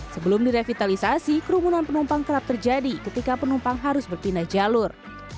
sebelum direvitalisasi kerumunan penumpang kerap terjadi ketika penumpang harus berpindah jalur